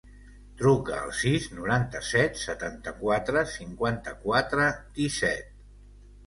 Truca al sis, noranta-set, setanta-quatre, cinquanta-quatre, disset.